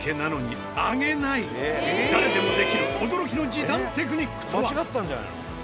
誰でもできる驚きの時短テクニックとは？